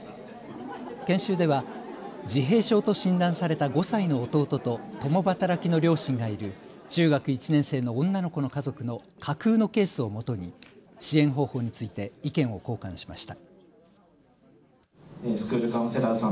研修では自閉症と診断された５歳の弟と共働きの両親がいる中学１年生の女の子の家族の架空のケースをもとに支援方法について意見を交換しました。